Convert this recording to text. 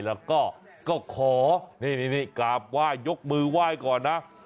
แล้วก็ขอนี่กราบไหว้ยกมือไหว้ก่อนนะ